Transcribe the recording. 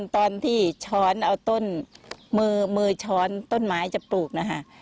ตอนที่ช้อนเอาต้นมือช้อนต้นไม้จะปลูกนะคะ